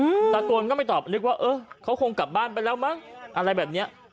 ตะโกนก็ไม่ตอบนึกว่าเออเขาคงกลับบ้านไปแล้วมั้งอะไรแบบเนี้ย